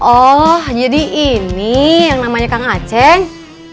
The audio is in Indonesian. oh jadi ini yang namanya kang aceh